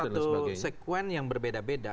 ini kan satu sekuen yang berbeda beda